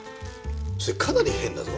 それかなり変だぞ。